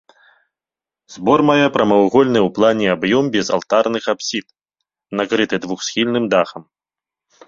Збор мае прамавугольны ў плане аб'ем без алтарных апсід, накрыты двухсхільным дахам.